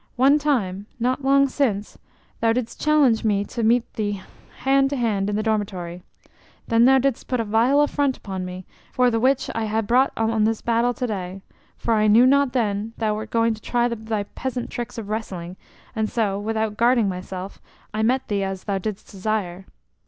"One time, not long sin, thou didst challenge me to meet thee hand to hand in the dormitory. Then thou didst put a vile affront upon me, for the which I ha' brought on this battle to day, for I knew not then that thou wert going to try thy peasant tricks of wrestling, and so, without guarding myself, I met thee as thou didst desire."